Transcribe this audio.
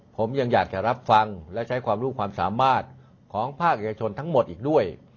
ผมยังอยากจะรับฟังและใช้ความรู้ความสามารถของภาคเอกชนทั้งหมดอีกด้วย